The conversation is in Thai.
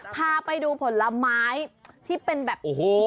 พาไปดูผลไม้ที่เป็นแบบ